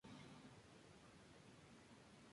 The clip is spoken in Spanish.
Es encantador.